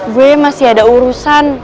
gue masih ada urusan